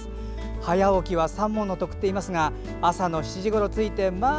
早起きは三文の徳と言いますが朝の７時ごろ着いてまあ